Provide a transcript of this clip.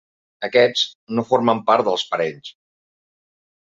Aquests no formen part dels parells.